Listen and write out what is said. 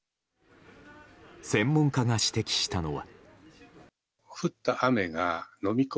専門家が指摘したのは。